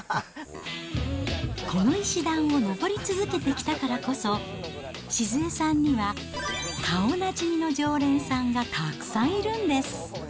この石段を上り続けてきたからこそ、静恵さんには顔なじみの常連さんがたくさんいるんです。